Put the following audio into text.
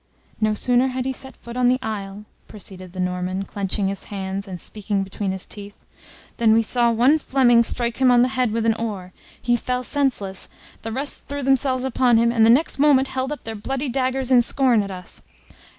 No sooner had he set foot on the isle," proceeded the Norman, clenching his hands, and speaking between his teeth, "than we saw one Fleming strike him on the head with an oar; he fell senseless, the rest threw themselves upon him, and the next moment held up their bloody daggers in scorn at us!